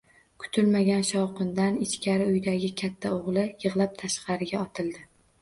Kutilmagan shovqindan ichkari uydagi katta o’g’li yig’lab tashqariga otildi.